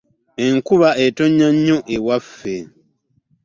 Enkuba etonnya eno ewaffe.